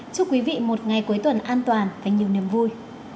chúc quý vị một ngày cuối tuần an toàn và nhiều niềm vui